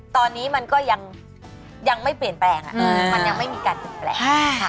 ตอนนี้มันก็ยังไม่เปลี่ยนแปลงมันยังไม่มีการเปลี่ยนแปลง